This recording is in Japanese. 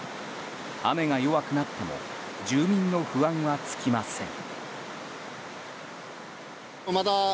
雨が弱くなっても住民の不安は尽きません。